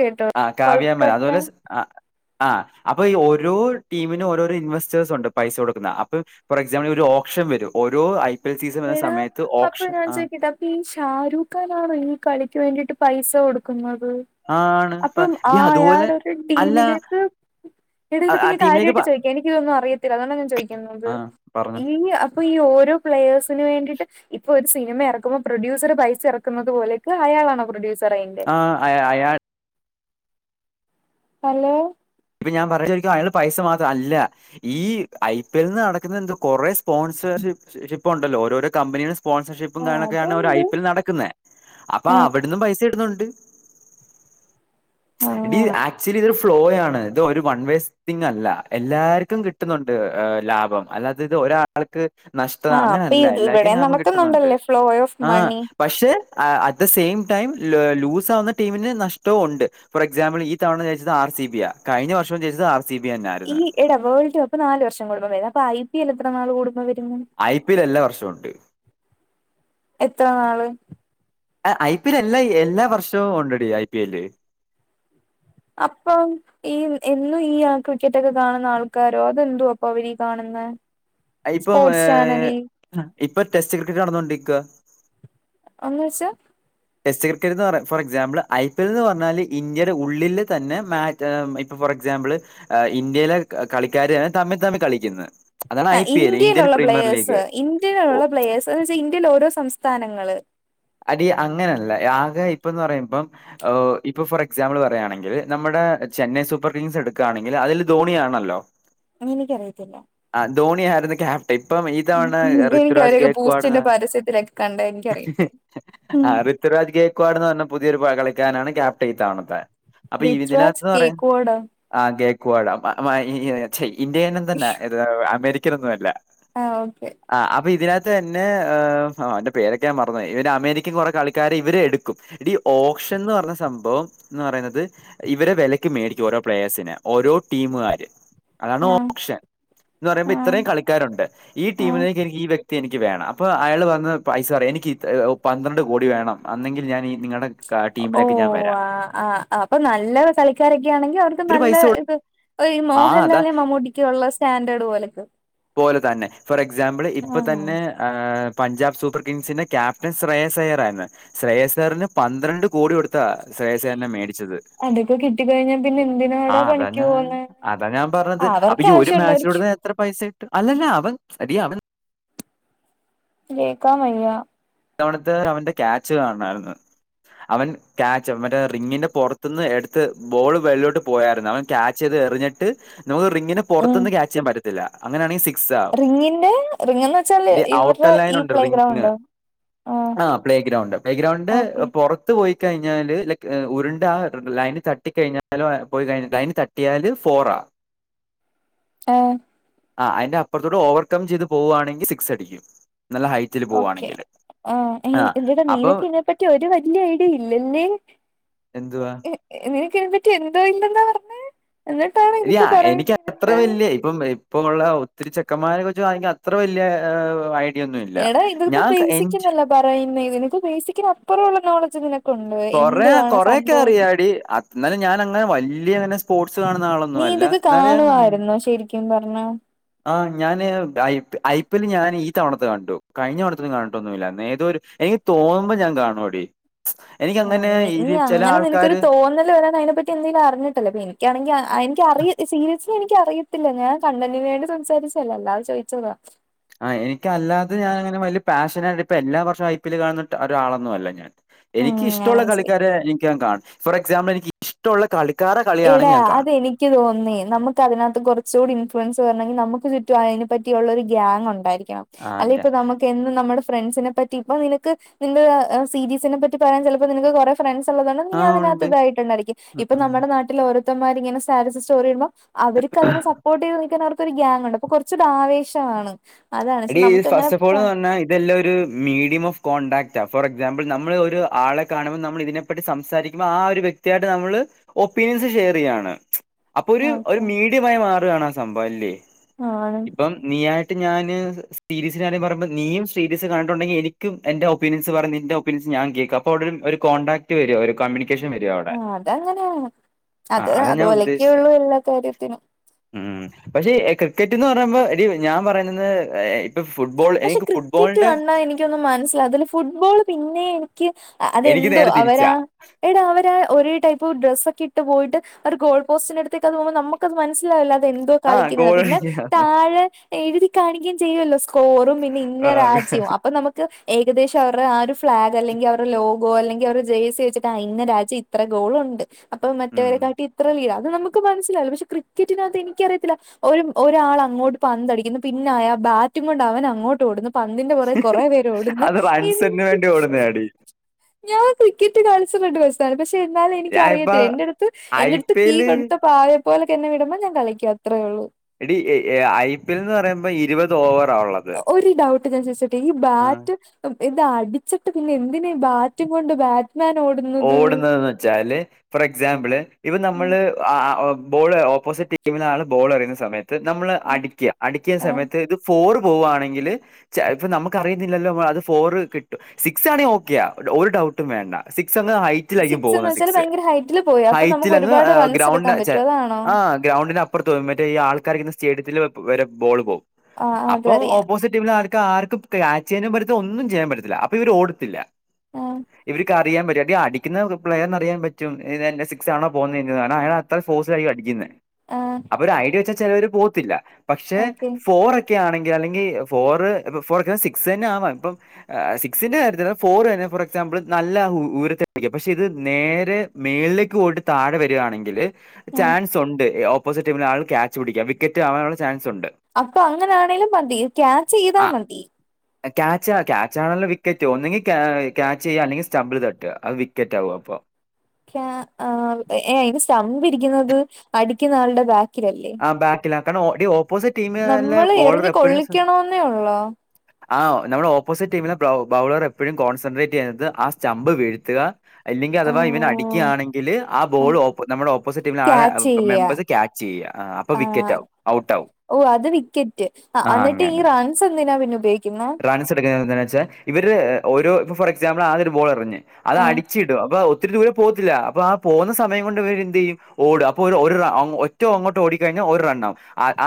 കേട്ടോ ആഹ് കാവ്യാമന കൊൽക്കട്ട അതുപോലെ സ് ആഹ് ആഹ് അപ്പൊ ഈ ഓരോ ടീമിനും ഓരോരോ ഇൻവെസ്റ്റേഴ്സ് ഉണ്ട് പൈസ കൊടുക്കുന്നെ അപ്പം ഫോർ എക്സാമ്പിൾ ഒരു ഓപ്ഷൻ വരും ഓരോ ഐ പി എൽ സീസൺ വരുന്ന എടാ സമയത്ത് അപ്പൊ ഓപ്ഷൻ ഞാൻ ആഹ് ചോദിക്കട്ടെ അപ്പൊ ഈ ഷാരൂഖ് ഖാനാണോ ഈ കളിക്ക് വേണ്ടിട്ട് പൈസ കൊടുക്കുന്നത് ആണ് പ അപ്പം എടി ആ അതുപോലെ അയാടെ ഒരു അല്ല ടീമിലേക്ക് എടാ ആ ഇതൊക്കെ ആ ഞാൻ ടീമിലേക്ക് കാര്യായിട്ട് പ ചോയിക്കാ എനിക്ക് ഇതൊന്നും അറിയത്തില്ല അതാണ്ടാ ഞാൻ ചോയിക്കുന്നത് ആഹ് പറഞ്ഞു ഈ അ പ്പ ഈ ഓരോ പ്ലഴേസ് ന് വേണ്ടിട്ട് ഇപ്പൊ ഒരു സിനിമ ഇറക്കുമ്പോ പ്രൊഡ്യൂസർ പൈസ ഇറക്കുന്നത് പോലേക്ക് അയാളണോ പ്രൊഡ്യൂസർ അയിന് ആഹ് അയാ അയാൾ ഹലോ ഇപ്പൊ ഞാൻ പറഞ്ഞോരിക്കും അയാൾ പൈസ മാത്രം അല്ല ഈ ഐ പി എൽ നിന്ന് നടക്കുന്ന എന്താ കൊറെ സ്പോൺസേയ്സ് ഷിപ്പ് ഉണ്ടല്ലോ ഓരോരോ കമ്പനിയ്ടെ ആ സ്പോൺസർഷിപ്പും കാര്യങ്ങളൊക്കെയാണ് ഒരു ഐ അതുണ്ട് പി എൽ നടക്ക്ന്നേ അപ്പാ ആ അവട്ന്നും പൈസ ഇടുന്നുണ്ട് സംഗതി അങ്ങനെ ആക്ച്വലി ഇതൊരു ഫ്ലോയാണ് ഇത് ഒരു വൺ വേസ്റ്റങ് അല്ല എല്ലാർക്കും കിട്ടുന്നുണ്ട് ലാഭം അതായത് ഇത് ഒരാ ആൾക്ക് നഷ്ടത ആ അപ്പൊ അങ്ങനെയല്ല ഇത് ഇവിടെ എല്ലാർക്കും ലാഭം കിട്ടുന്നുണ്ട് നടക്കുന്നുണ്ടല്ലേ ഫ്ലോ ഓഫ് ആഹ മണി പക്ഷെ at the same time lose ആവുന്ന ടീമിന് നഷ്ടവും ഉണ്ട് ഫോർ എക്സാംബിൾ ഈ തവണ ജയിച്ചത് ആർ സി ബി ആ കഴിഞ്ഞ വർഷം ജിച്ചത് ആർ സി ബി തന്ന ഈ ആയിരുന്നു എടാ വേൾഡ് കപ്പ് നല് വർഷം കുടുമ്പം വര അപ്പ ഐ പി എൽ എത്ര നാൾ കൂടുമ്പം വരുന്നു ഐ പി എൽ എല്ലാ വർഷ ഉണ്ട് എത്ര നാള് ഐ പി എൽ എല്ലാ എല്ലാ വർഷവും ഉണ്ടാണ്ടി ഐ പി എല് അപ്പം ഈ എന്നും ഈ ആ ക്രിക്കറ്റൊക്കെ കാണുന്ന ആൾക്കാരോ അതെന്തോ അപ്പൊ അവരി ഈ കാണുന്ന ഇപ്പം സ്പോർട്സ് ഏഹ്, ചാനലി ഇപ്പൊ ടെസ്റ്റ് ക്രിക്കറ്റ് നടന്നുകൊണ്ടിരിക്കുക എന്നുവെച്ച ടെസ്റ്റ് ക്രിക്കറ്റ് എന്ന് പറ for example I P L എന്ന് പറഞ്ഞാല് ഇന്ത്യയുടെ ഉള്ളിൽ തന്നെ മാ ഇപ്പൊ ഫോർ എക്സാമ്പിൾ ഇന്ത്യയിലെ കളിക്കാർ തമ്മിൽ തമ്മിൽ കളിക്കുന്നത് അതാണ് ആ ഐ പി എൽ ഇന്ത്യൻ ഇന്ത്യയിലുള്ള പ്രീമിയർ പ്ലേഴസ് ലീഗ് ഇന്ത്യയിലുള്ള ഒ- പ്ലേയേഴ്സ് എന്ന് വെച്ചാ ഇന്ത്യയിലെ ഓരോ സംസ്ഥാനങ്ങള് അടി അങ്ങനെയല്ല ആകെ ഇപ്പ എന്ന് പറയുമ്പം ഇപ്പോ ഫോർ എക്സാമ്പിൾ പറയുകയാണെങ്കിൽ നമ്മുടെ ചെന്നൈ സൂപ്പർ കിങ്സ് എടുക്കുകയാണെങ്കിൽ അതില് ധോണിയാണല്ലോ എനിക്കറിയത്തില്ല ആ ധോണിയ ആായിരുന്നു ക്യാ ഇപ്പം ഈ തവണ എനിക്ക് ഋഥ്വിരാജ് അവരെയൊക്കെ കേക്കു ആണ് ബൂസ്റ്റിന്റെ പരസ്യത്തിലൊക്കെ കണ്ട എനിക്കറിയത്തുള്ളൂ ആ ഉം ഋഥ്വിരാജ് കേക്കുവാണ് പറഞ്ഞ പുതിയൊരു കളിക്കാനാണ് ക്യാപ്റ്റൈ ഇ തവണത്തെ അപ്പൊ ഋത്വിരാജ് ഇതിനകത്തു പറയാൻ കേക്കുവാടോ ആ കേക്കവാട [unintelligible] ഇന്ത്യയിൽ തന്നെ അമേരിക്കനൊന്നും അല്ല ആ ഓക്കെ ആ അപ്പൊ ഇതിനകത്ത് തന്നെ അവന്റെ പേരൊക്കെ ഞാൻ മറന്നോയി ഇവര് അമേരിക്കൻ കുറെ കളിക്കാരർ ഇവരെ എടുക്കും ഇ ഈ ഓപ്ഷൻ എന്ന് പറഞ്ഞ സംഭവം എന്ന് പറയുന്നത് ഇവരെ വിലയ്ക്ക് മേടിക്കും ഓരോ പ്ലേഴ്സിന് ഓരോ ടീമുകാര് അതാണ് ആഹ് ഓപ്ഷൻ എന്ന് പറയുമ്പോ ആഹ് ഇത്രയും കളിക്കാരുണ്ട് ഈ ആഹ് ടീമിലേക്ക് എനിക്ക് ഈ വ്യ എനിക്ക് വേണം അപ്പൊ അയാൾ പറഞ്ഞ പൈസ പറയാ എനിക്ക് പന്ത്രണ്ട് കോടി വേണം അന്നെങ്കിൽ ഞാൻ ഈ നിങ്ങളുടെ ഓ ടീമിലേക്ക് ഞാൻ വരാം. ആ ആ അപ്പൊ നല്ല കളിക്കാരൊക്കെ ആണെങ്കിൽ അവർ ത് ഇത്തിരി നല്ല പൈസ കൊടു ഇത് ഈ ആ അതാ മോഹൻലാലിന്റെ മമ്മൂട്ടിക്ക് ഉള്ള സ്റ്റാൻഡേർഡ് പോലെയക്ക പോലെ തന്നെ ഫോർ എക്സാമ്പിൾ ഇപ്പൊ ആഹ് തന്നെ ഹ് പഞ്ചാബ് സൂപ്പർ കിങ്സിന്റെ ക്യാപ്റ്റൻ ശ്രയസയർ ആയിരുന്നു ശ്രേയസേറിന് പന്ത്രണ്ട് കോടി കൊടുത്താ ശ്രേയസേറിനെ മേടിച്ചത് അതൊക്കെ കിട്ടിക്കഴിഞ്ഞാൽ പിന്നെ ആ എന്തിനാടാ അതാ പണിക്ക് ഞാൻ പോവുന്ന അതാ അവർക്ക് ആവശ്യം ഉണ്ടായിരിക്കും ആവശ്യംുണ്ടായിരിക്കും ത്ര പൈസ ഇട്ട് അല്ലല്ല അവൻ എടി അവ [unintelligible] ഇത്തവണത്തെ അവന്റെ ക്യാച്ച് കാണണമായിരുന്നു അവൻ ക്യാച് മറ്റേ റിങ്ങിന്റെ പുറത്തുനിന്ന് എടുത്ത് ബോള് വെള്ളിലോട്ട് പോയായിരുന്നു അവൻ ക്യാച്ച് ചെയ്ത് എറിഞ്ഞിട്ട് നമക്ക് റിങ്ങി ന്റെ പുറത്ത് ഉം നിന്ന് ക്യാചയാൻറ്റും അങ്ങനൊണെങ്ക സിക്സ് ആവും റിങ്ങിന്റെ എടി ഔട്ടർ ലൈൻ ഉണ്ട് ആ ഉണ്ടോ ആ പ്ലേഗ്രൗണ്ട് പ്ലേ ഗ്രൗണ്ട്ന്റെ ഓക്കെ പുറ ത്ത് പോയി കഴിഞ്ഞാല് ലെക്ക്‌ ഉരുണ്ട ആ ലൈന് തട്ടി കഴിഞ്ഞാലയി ലൈന് ത കിട്ടിയാല് ഫോറാ ആഹ് ആഹ് അതിന്റെ അപ്പുറത്തോട്ട് പഓവർകം ചെയ്ത് പോവുവാണെങ്കിൽ സിക്സ് അടിക്കും നല്ല ഹൈറ്റില് ഓക്കെ പോവുവാണെങ്കില് ആഹ് ഏഹ് എടാ നീനക്കിതിനെപ്പറ്റി ഒരു വലിയ ഐഡിയ ഇല്ല അല്ലേ എന്തുവാ നിനക്ക് ഇതിനെ പറ്റി എന്തോ ഇല്ലെന്നാ പറഞ്ഞെ എടി എനിക്ക് അത്ര വല്യ ഇപ്പം ഇപ്പ ഉള്ള ഒത്തിരിച്ചെക്കന്മാരെ കുറച്ചാണങ്കി അത്ര വലിയ ഐഡിയ ഒന്നും ഇല്ല ഞാൻ എനി- പറയുമ്പോ നിനക്ക് ബേസിക്കിന് അപ്പുറം ഉള്ള നോളേഡ്ജ് നിനക്കുണ്ട് എന്തുവാണ് സംഭവം എടി അത് എന്നാലും ഞാൻ അങ്ങനെ വല്ല്യ അങ്ങനെ സ്പോർട്സ് കാണുന്ന ആളൊന്നും നീ അല്ല ഇതൊക്കെ എന്നാലും ഞാൻ കാണും കാണുമായിരുന്നോ ശരിക്കും പറഞ്ഞ ആഹ് ഞാന് ഐ ഐ പി ൽ ഞാൻ ഈ തവണത്തെ കണ്ടു കഴിഞ്ഞ തവണത്തയൊന്നും കണ്ടിട്ടൊന്നുമില്ലായിരുന്നു ഏതൊ ഒരു എ- തോന്നുമ്പോ ഞാൻ കാണുടി എനിക്ക് ആഹ് നീ അങ്ങനെ നിനക്കൊരു ആൾക്കാര് തോന്നല് വരാൻ അതിനെപ്പറ്റി എന്തെങ്കിലും അറിഞ്ഞിട്ടല്ലോ ഇപ്പ - എനിക്കാണെങ്കിൽ എനിക്ക് അറിയ സീരിയസില് എനിക്ക് അറിയത്തില്ല ഞാൻ കണ്ടന്റിന് വേണ്ടി സംസാരിച്ചു അല്ലാതെ ചോദിച്ചതാ ആഹ് എനിക്കല്ലാതെ ഞാൻ അങ്ങനെ വലിയ പാഷനായിട്ട ഇപ്പൊ എല്ലാ വർഷവും ഐ പി ൽ കാണുന്ന ഒരാളൊന്നും അല്ല ഞാൻ ഉം എനിക്ക് ഞാൻ ഇഷ്ടുള്ള മനസ്സിലാക്കി കളിക്കാരെ എനിക്ക് ഞാൻ കാണും ഫോർ എക്സാമ്പിൾ എനിക്ക് ഇഷ്ടമുള്ള കളി എടാ അതെനി- എനിക്ക് തോന്നുന്നേ നമ്മുക്ക് അതിനകത്ത് കുറച്ചുകൂടി ഇൻഫ്ലുവൻസ് വരണമെങ്കിൽ നമ്മുക്ക് ചുറ്റും അതിനെ പറ്റിയുള്ള ഒരു ഗ്യാങ് ഉണ്ടായിരിക്കണം ആ അല്ലെ ഞാ- ഇപ്പൊ നമ്മുക്ക് എന്ന് നമ്മുടെ ഫ്രണ്ട്സിനെ പറ്റി ഇപ്പ നിനക്ക് നിങ്ങള് സീരീസിനെ പറ്റി പറയാൻ ചിലപ്പോ നിനക്ക് കുറെ ഫ്രണ്ട്സ് ഉള്ളത് കൊണ്ട് നീ ആ അതിനകത്ത് ഉണ്ട് ഇതായിട്ടണ്ടായിരിക്കും ഇപ്പം നമ്മുടെ ഉം നാട്ടിൽ ഓരോത്തമാര് ഇങ്ങനെ സ്റ്റാറ്റസ് സ്റ്റോറി ഇടുമ്പം അവർക്ക് അതിനെ സപ്പോർട്ട് ചെയ്ത് നിൽക്കാൻ അവർക്കൊരു ഗ്യാങ് ഉണ്ട് അപ്പൊ കുറച്ച് ഒരു ആവേശമാണ് അതാണ് പക്ഷെ എടി ഇത് നമുക്ക് അങ്ങനെ ഫസ്റ്റ് ഓഫ്ഓൾ എന്ന് പറഞ്ഞാ ഇതെല്ലാം ഒരു മീഡിയം ഓഫ് കോൺടാക്റ്റാ ഫോർ എക്സാമ്പിൾ നമ്മൾ ഒരു ആളെ കാണുമ്പോൾ നമ്മൾ ഇതിനെ സംസാരിക്കുമ്പോ ആ ഒരു വ്യക്തിയായിട്ട് നമ്മള് ഒപ്പീനിയൻസ് ഷെയർ ചെയ്യാണ് അപ്പൊ ഒരു ഓക്കെ ഒരു മീഡിയമായി മാറുകയാണ് ആ സംഭവം അല്ലേ ആണ് അപ്പം നീ ആയിട്ട് ഞാന് സീരീസ് ഞാന് പറമ്പോ നീയും സീരീസ് കണ്ടിട്ടുണ്ടെങ്കി എനിക്കും എന്റെ ഒപ്പീനിയൻസ് പറ നിന്റെ ഒപ്പീനിയൻസ് ഞാനും കേൾക്കാം അപ്പൊ അവിടെ ഒരു കോൺടാക്ട് വരും ഒരു കമ്മ്യൂണി.. വെക്കേഷൻ വരുവോ ആഹ് അതങ്ങനെയാ അതാ ഞാൻ ഉദ്ദേശിച്ചത് അതോലെക്കെയുള്ളൂ എല്ലാ കാര്യത്തിനും ഉം പക്ഷെ ക്രിക്കറ്റ് എന്ന് പറയുമ്പോ എടീ ഞാൻ പറയുന്നത് ഏഹ് ഫുട്ബോൾ എനിക്ക് ഫുട്ബോളിന്റെ എനിക്കു ഒന്നും മനസ്സിലാവത്തില്ല ഫുട്ബോൾ പിന്നെയും എനിക്ക് എനിക്ക് അതെന്തോ നേരെ അവരാ തിരിച്ചാ എടാ അവര് ആ ഒരേ ടൈപ്പ് ഡ്രസ്സ് ഒക്കെ ഇട്ട് പോയിട്ട് അവര് ഗോൾ പോസ്റ്റിനടുത്തേക്ക് അത് പോകുമ്പോ നമ്മുക്ക് അത് മനസ്സിലാവില്ല അത് എന്തോ ആ കളിക്കുന്നതെന്ന് ഗോൾ പിന്നെ അടിക്കുക താഴെ എഴുതി കാണിക്കുകയും ചെയ്യുമല്ലോ പോറും പിന്നെ ഇന്ന രാജ്യം അപ്പൊ നമ്മുക്ക് ഏകദേശം അവരുടെ ആ ഒരു ഫ്ളാഗ് അല്ലെങ്കിൽ അവരുടെ ലോഗോ അല്ലെങ്കിൽ അവരുടെ ഒരു ജേഴ്സി വെച്ചിട്ട് ഇന്ന രാജ്യം ഇത്ര ഗോളുണ്ട് അപ്പൊ ഉം. മറ്റവരെ കാട്ടി ഇത്ര വീഴാം അത് നമ്മുക്ക് നമ്മുക്ക് മനസ്സിലാവില്ല പക്ഷെ ക്രിക്കറ്റിനകത്ത് എനിക്കറിയത്തില്ല ഒരു ഒരാൾ അങ്ങോട്ട് പന്തടിക്കുന്നു പിന്നെ അയാൾ ബാറ്റ് ബാറ്റും കൊണ്ട് അവൻ അങ്ങോട്ട് ഓടുന്നു പന്തിന്റെ പുറകേ കുറേ പേര് ഓടുന്നു അത് റൺസിന് എന്ത് വേണ്ടി ഓടുന്ന അടി ഞാൻ ക്രിക്കറ്റ് [unintelligible] പക്ഷെ എന്നാലും എനിക്ക് ഒരുപക്ഷെ എന്താണെന്നു എനിക്ക് ഞാനിപ്പ അറിയത്തില്ല എന്റെ അടുത്ത് ഐ എന്റെ അടുത്ത് പി കീ എല് കൊടുത്ത പാവയെ പോലെ തന്നെ വിടുമ്പൊ ഞാൻ കളിക്കും അഅത്രേ ഉള്ളൂ എടീ ഐ പി എൽ എന്ന് പറയുമ്പൊ ഇരുപത് ഓവറാ ഉള്ളത് ഒരു ഡൌട്ട് ഞാൻ ചോദിച്ചോട്ടെ ഈ ബാറ്റ് ഇത് അടിച്ചിട്ട് പിന്നെ എന്തിനാ ഈ ബാറ്റും കൊണ്ട് ബാ മാൻ ഓടുന്നത് ഓടുന്നതെന്ന് വെച്ചാല് ഫോർ എക്സാമ്പിള് ഇത് നമ്മള് ആഹ് ആഹ് ബോള് ഓപ്പോസിറ്റ് ടീമിനാണ് ബോൾ എറിയുന്ന സമയത്ത് ത് നമ്മള് അടിക്കുക അടിക്കുന്ന ആഹ് സമയത്ത് ഇത് ഫോർ പോവുകവാണെങ്കില് ചെലപ്പൊ നമുക്കറിയത്തില്ലല്ലൊ അത് ഫോർ കിട്ടും സിക്സ് ആണെങ്കിൽ ഓക്കയാ ഒരു ഡൗട്ടും വേണ്ട സിക്സ് അങ്ങ് ഹൈ റ്റിലായിരിക്കും എന്ന് പോവുന്ന വെച്ചാൽ സിക്സ് ഭയങ്കര ഹൈറ്റിൽ പോയി അപ്പൊ നമുക്ക് ഹൈറ്റിലങ്ങ് ഒരുപാട് റൺസ് ഗ്രൗണ്ട് എടുക്കാൻ ചെ പറ്റും അതാണോ ആഹ് ഗ്രൗണ്ടിന് അപ്പറത്ത് മറ്റേ ഈ ആൾക്കാർ ഇരിക്കുന്ന സ്റ്റേഡിയത്തിൽ വരെ ബോള് പോകും ആഹ് അപ്പം അതറിയാം ഓപ്പോസിറ്റ് ടീമിൽ ആർക്കാ ആർക്കും ക്യാച്ച് ചെയ്യാൻ പറ്റത്തില്ല ഒന്നും ചെയ്യാൻ പറ്റത്തില്ല അപ്പൊ ഇവർ ഓടത്തില്ല ആഹ്.. ഇവർക്ക് അറിയാൻ പറ്റും എടീ അടിക്കുന്ന പ്ലെയറിന് അറിയാൻ പറ്റും സിക്സ് ആണോ പോകുന്നേന്ന്‌ കാരണം അയാൾ അത്ര ഫോഴ്സിലായിരിക്കും അടിക്കുന്നെ ആഹ് അപ്പൊ ഒരു ഐഡിയ വെച്ചാ ചെ ലവര് പോകത്തില്ല പക്ഷെ ഓക്കെ ഫോർഅ ടി ക്കെ ആണെങ്കിൽ അല്ലെങ്കിൽ ഫോറ് ഫോർ സിക്സ് തന്നെ ആവാ ഇപ്പം സിക്സിന്റെ കാര്യത്തില് ഫോർ തന്നെ ഫോർ എക്സാമ്പിൾ നല്ല ഉയരത്തിയാരിക്കും പക്ഷെ ഇത് നേരെ മേളിലേക്ക് പോയിട്ട് താഴെ വരികാണെങ്കില് ആഹ് ചാൻസ് ഒണ്ട് ഓപ്പോസിറ്റ് ടീമിൽ ആൾ ക്യാച്ച് പിടിക്കാം വിക്കറ്റ് ആവാനുള്ള ചാൻസ് ഒണ്ട് അപ്പൊ അങ്ങനാണേലും മതി ക്യാച്ചെയ്താ ആ മതി ക്യാച്ച് ക്യാച്ച് ആണല്ലോ വിക്കറ്റ് ഒന്നെങ്കിൽ ക്യാ ച്ച് ചെയ്യാ അല്ലെങ്കിൽ സ്റ്റംബിൾ തട്ട അത് വിക്കറ്റ് ആവും അപ്പൊ ക്യാ ആഹ് ഏഹ് അതിന് സ്റ്റമ്പിരിക്കുന്നത് അടിക്കുന്ന ആളുടെ ബാക്കിലല്ലേ ബാക്കില കാരണം ടി ഓപ്പോസിറ്റ് ടീമ് നല്ല നമ്മള് ബോളർ എറിഞ്ഞ് എപ്പൊഴും കൊള്ളിക്കണോന്നേ ഒള്ളോ ആഹ് നമ്മുടെ ഓപ്പോസിറ്റ് ടീമിലെ ബൗളർ എപ്പോഴും കോൺസെൻട്രേറ്റ് ചെയ്യുന്നത് ആ സ്റ്റമ്പ് വീഴ്ത്തുക അല്ലെങ്കിൽ അഥവാ ഇവന് ആഹ് അടിക്കുയാണെങ്കില് ആഹ് ബോൾ നമ്മുടെ ഓപ്പോസിറ്റ് ടീമിൽ ആളെ ക്യാച്ച് ചെയ്യാ മെമ്പേഴ്സ് ക്യാച്ച് ചെയ്യുക ആ, അപ്പൊ വിക്കറ്റ് ആഹ് ആവും ഔട്ട് ആവും ഓ അത് വിക്കറ്റ് ആഹ് ആ എന്നിട്ട് ഈ അങ്ങനെ റൺസ് എന്തിനാ പിന്നെ ഉപയോഗി റൺസ് എടുക്കുന്നുന്നത് എന്തിന് വെച്ചാൽ ഇവര് ഓരോ ഫോർക്സാമ്പിൾ ആദ്യൊരു ബോൾ എറിഞ്ഞ് അത് ആഹ് അടിച്ചിടും അപ്പൊ ഒ ഒത്തിരി ദൂരം പോകത്തില്ല അപ്പൊ ആ പോകുന്ന സമയം കൊണ്ട് ഇ വര് എന്ത് ചെയ്യും ഓടും അപ്പൊ ഒര് റൗണ്ട് ഒറ്റ ഏറ്റവും അങ്ങോട്ട് ഓടിക്കഴിഞ്ഞാൽ ഒരു റണ്ണാവും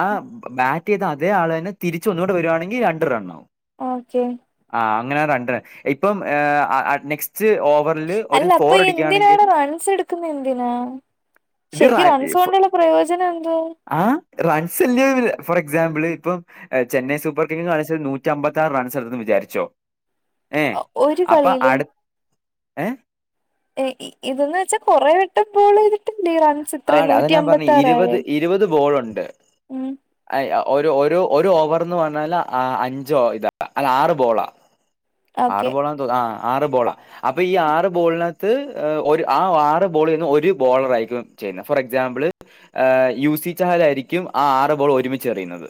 ആഹ് ബാറ്റ് ചെയ്ത അതേ ആൾ തന്നെ തിരിച്ചൊന്നൂടെ വരുവാണെങ്കിൽ രണ്ട് റണ്ണാവും ഓക്കെ ആഹ് അങ്ങനരണ്ട്റൺ ഇപ്പം നെക്സ്റ്റ് ഓവർ അല്ല അപ്പൊ എന്തിനാണ് റൺസ് എടുക്കുന്നഎന്തിനാ ഇത് ശരിക്കും റൺ റൺസ് കൊണ്ടുള്ള പ്രയോജനം എന്തോ ആഹ് റൺസ് അല്ലെ ഫോർ എക്സാമ്പിൾ ഇപ്പം ചെന്നൈ സൂപ്പർ കിങ് കളിച്ച നൂ റ്റിഅമ്പത്തി ആറ് റൺസ് എടുത്തൂ ന്ന് വിചാരിച്ചോ ആഹ് ഒരു അപ്പൊ കളിയിലും അടു ഏ ഏഹ് ഇതെന്ന് വെച്ചാ കൊറേ വട്ടം ബോളെയ്തിട്ടല്ലീ റൺ ആഹ് ടാ അതാ ഞാൻ പറഞ്ഞെ ഇരുപത് ഇരുപത് ബോളുണ്ട് ഉം അഹ് ഒരു ഒരു ഓവർന്ന് പറഞ്ഞാല് അഞ്ചോ ഇതാ അല്ല ആറ് ബോളാ ഓക്കെ ആറ് ബോളാന്ന് തോന്നണ് ആഹ് ആറ് ബോള അപ്പൊ ഈ ആറ് ബോളിനകത്ത് ഒരു ആ ആറ് ബോളീന്ന് ഒരു ബോളറായിരിക്കും ചെയ്യുന്നത് ഫോർ എക്സാമ്പിൾ ആ യുസി ചഹൽ ആയിരിക്കും ആ ആറ് ബോൾ ഒരുമിച്ചച്ച് എറിയുന്നത്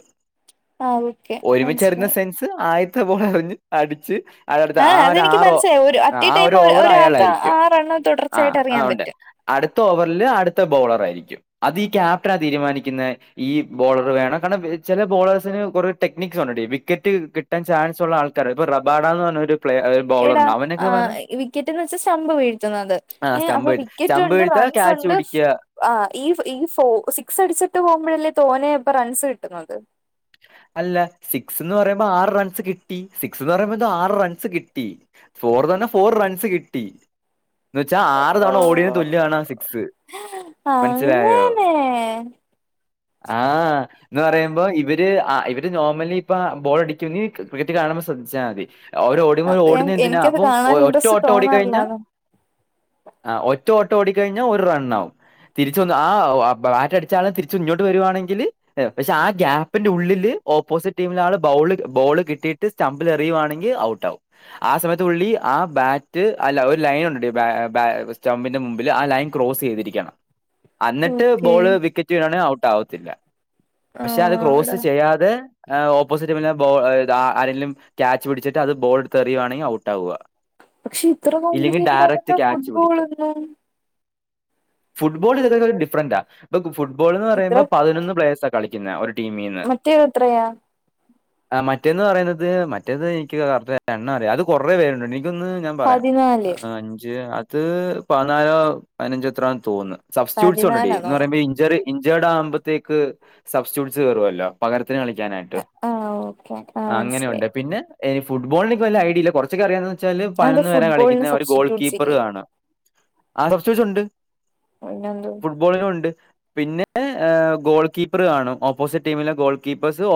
ആ ഓക്കെ ഒരുമിച്ചറിുന്ന മനസ്സിലായി സെൻസ് ആയത്തെ പോലെ അറിഞ്ഞ് അടിച്ച് അള അടുത്ത് ആ അതെനിക്ക് ആറ് മനസ്സിലായി ഒരു അറ്റ് എ ആ ടൈം ഒരു ഓവർ ഒരാൾക്ക് ആ അയാളായിരിക്കും റണ്ണ് ആ തുടർച്ചയായിട്ട് ആ എറിയാൻ ഉണ്ട് പറ്റും അടുത്ത ഓവറില് അടുത്ത ബൗളർ ആയിരിക്കും അത് ഈ ക്യാപ്റ്റനാ തീരുമാനിക്കുന്നെ ഈ ബോളർ വേണം കാരണം ചില ബോളേഴ്സിന് കൊറെ ടെക്നിക്സ് ഉണ്ട വിക്കറ്റ് ക ഏറ്റവും ചാൻസ് ഉ ആൾക്കർ ഇപ്പൊ റബാഡാ എന്ന് പറഞ്ഞ ഒരു പ്ലയെർ എടാ ആ വിക്കറ്റ്ന്ന് വെച്ചാ ശമ്പ് വീഴ്ത്തുന്നത് ഏ അപ്പൊ സ്റ്റംപ് വിക്കറ്റ് സ്റ്റംപ് ഉണ്ട് വീഴ്ത്തുക റൺസ് ക്യാച്ച് ഉണ്ട് പിടിക്കുക ആ ഈ ഈ ഫ സിക്സ് അടിച്ചിട്ട് പോകുമ്പോഴല്ലേ തോനെ അപ്പ റൺസ് കിട്ടുന്നത് അല്ല സിക്സ് എന്ന് പറയുമ്പോ ആറ് റൺസ് കിട്ടി സിക്സ് എന്ന് പറയുമ്പോ ആറ് റൺസ് കിട്ടി ഫോർ ന്നറഞ്ഞ ഫോർ റൺസ് കിട്ടി എന്ന് വെച്ചാൽ ആറ് ഓ, തവണ ഓടിയന് തുലിയാണ് ആ സിക്സ് മനസ്സിലായോ അങ്ങനെ ആഹ എന്ന് പറയുമ്പോ ഇവ ഇവര് നോർമലി ഇപ്പ ബോൾ അടിക്കും ക്രിക്കറ്റ് കാണുമ്പോൾ ശ്രദ്ധിച്ചാൽ മതി അവരോഓടിമ്പോ അത് ഞാൻ- ഓടുന്ന എന്തിനാ എനിക്കത് അപ്പൊ കാണാൻ ഒറ്റോ ഇൻട്രസ്റ്റ് ഓട്ടോ ഓടികഴിഞ്ഞ തോന്നാറില്ല അതാ ആ് ഒറ്റ ഓട്ടം ഓടി കഴിഞ്ഞാൽ ഒരു റണ്ണ ആവും തിരിച്ചൊ ആ വാറ്റടിച്ച ആള തിരിച്ചുഞ്ഞങ്ങോട്ട് വരുവാണെങ്കിൽ പക്ഷെ ആ ഗ്യാപ്പ് ന്റെ ഉള്ളിൽ ഓപ്പോസിറ്റ് ടീമില ആള് ബോള് ബോള് കിട്ടിയിട്ട് സ്റ്റംമ്പിൽ എറിയുവാണെങ്കിൽ ഔട്ട് ആകും ആ സമയതുള്ളി ആ ബാറ്റ് അല്ല ഒരു ലൈൻ ഉണ്ട് സ്റ്റമ്പിന്റെ മുമ്പിൽ ആ ലൈൻ ക്രോസ് ചെയ്തിരിക്കയാണ് എന്നിട്ട് ഓക്കെ ബോള് വിക്കറ്റ് കണ ഔട്ട് ആവത്തില്ല ആ പക്ഷെ അത് എടാ യാതെ ഓപ്പോസിറ്റ് വല്ല ബോൾ ആരെങ്കിലും ക്യാച്ച് പിടിച്ചിട്ട് അത് ബോൾ എത്തെറിയുവാണെങ്കിൽ ഔട്ട് ആവുക പക്ഷെ ഇത്ര ഇല്ലെങ്കിൽ കോംപ്ലിക്കേറ്റഡ ഡയറക്റ്റ് ആല്ല ക്യാച്ച് ഫുട്ബോൾ പിടിക്കും എന്ത് ഫുട്ബോൾ ഇതൊക്കെ ഡിഫറന്റാ ഇപ്പൊ ഫുട്ബോൾ എന്ന് ഇത്ര പറയുമ്പോ പതിനൊന്ന് പ്ലെയഴസ്ക്കെ കളിക്കുന്ന ഒരു ടീമീന്ന് മറ്റേ എത്രയാ ആ മറ്റേന്ന് പറയുന്നത് മറ്റേത് എനിക്ക് കറക് എണ്ണ അറിയാം അത് കുറെേ പേരുണ്ട് എനിക്കൊന്ന് പറയാം പതിനാല് അഞ്ച് അത് പതിനാലോ പതിനഞ്ച എത്രന്ന് തോന്നുന്ന് സബ്സ്റ്റ്യൂട്ടസ്ണ്ട്ണ്ടടടി പതിനാലാ എന്ന് തോന്നുന്നു പറയുമ്പോ ഇഞ്ചർ ഇഞ്ചഡ ആുമ്പത്തേക്ക് സബ്സ്റ്റ്യൂട്ട്സ് കേറുവല്ലോ പകരത്തിന് കളിക്കാനായിട്ട് ആ ഓക്കെ ആ അങ്ങനെയുണ്ട് മനസ്സിലായി പിന്നെ എനി ഫുട്ബോളിനനിക്ക് വല്ല ഐഡിയയില്ല കുറച്ചൊക്കെ അറിയാന്ന് വെച്ചാല് അതെന്താ പതിനൊന്ന് വരെ ഫുട്ബോളിന് കളിക്കുന്ന ഒരു ഗോൾ സബ്സ്റ്റിറ്റ്യൂട്ട്സ് കീപ്പർ ഇല്ലേ കാണാ ആ കുറച്ചിച്ചുണ്ട് പിന്നെന്ത് ഫുട്ബോളും ഉണ്ട് പിന്നെ ഗോൾ കീപ്പർ കാണും ഓപ്പോസിറ്റ് ടീമിലെ ഗോൾ കീപ്പേഴ്സ്